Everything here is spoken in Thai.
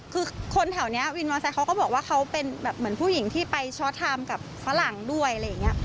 คือคนแถวนี้วินมอเซเขาก็บอกว่าเขาเป็นแบบเหมือนผู้หญิงที่ไปชอตไทม์กับฝรั่งด้วยอะไรอย่างนี้